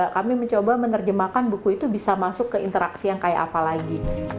kami mencoba menerjemahkan buku itu bisa masuk ke interaksi yang kayak apa lagi